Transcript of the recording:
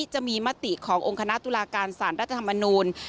จะมีมติขององค์คณะตุลาการสารรัฐธรรมนูล